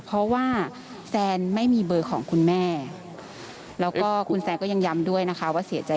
เพราะว่าแซนไม่มีเบอร์ของคุณแม่แล้วก็คุณแซนก็ยังย้ำด้วยนะคะว่าเสียใจ